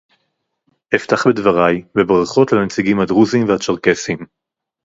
אפתח בדברי בברכות לנציגים הדרוזים והצ'רקסים